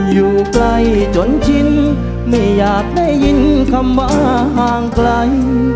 อยู่ไกลจนชินไม่อยากได้ยินคำว่าห่างไกล